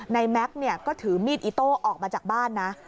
แม็กซ์ก็ถือมีดอิโต้ออกมาจากบ้านนะ